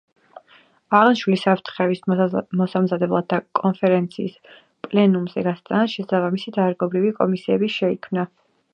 აღნიშნული საფრთხეების მოსამზადებლად და კონფერენციის პლენუმზე გასატანად შესაბამისი დარგობრივი კომისიები შეიქმნა.